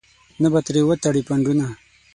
نه به ترې وتړې پنډونه.